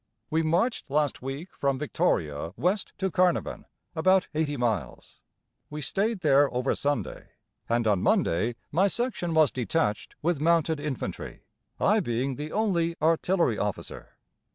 We marched last week from Victoria west to Carnovan, about 80 miles. We stayed there over Sunday, and on Monday my section was detached with mounted infantry, I being the only artillery officer.